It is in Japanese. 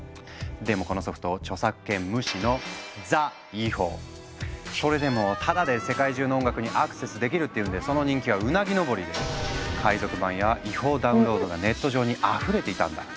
でもこのソフト著作権無視のそれでもタダで世界中の音楽にアクセスできるっていうんでその人気はうなぎ登りで海賊版や違法ダウンロードがネット上にあふれていたんだ。